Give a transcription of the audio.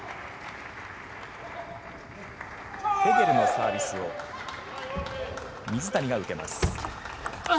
フェゲルのサービスを水谷が受けます。